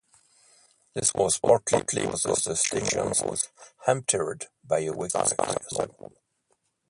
This was partly because the station was hampered by a weak signal.